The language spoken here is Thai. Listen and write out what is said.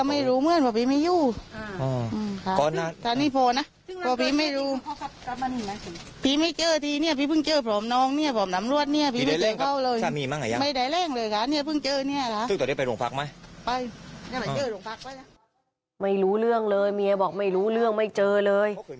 ไม่รู้เรื่องเลยเมียบอกไม่รู้เรื่องไม่เจอเลย